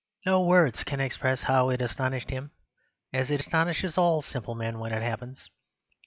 No words can express how it astonished him, as it astonishes all simple men when it happens.